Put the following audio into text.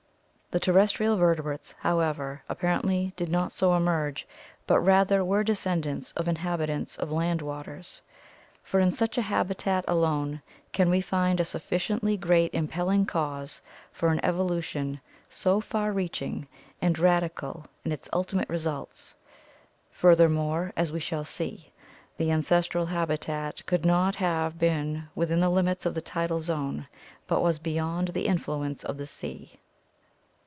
The terrestrial vertebrates, however, apparently did not so emerge, but rather were descendants of inhabitants of land waters, for in such a habitat alone can we find a sufficiently great impelling cause for an evolution so far reaching and radical in its ultimate results. Furthermore, as we shall see, the ancestral habitat could not have been within the limits of the tidal zone but was beyond the influence of the sea.